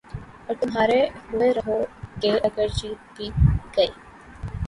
اور تُمہارے ہوئے رہو گے اگر جیت بھی گئے